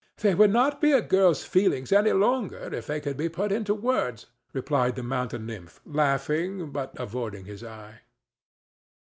"They would not be a girl's feelings any longer if they could be put into words," replied the mountain nymph, laughing, but avoiding his eye.